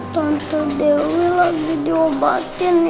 tante dewi lagi diobatin ya